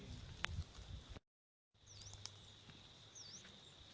สวัสดี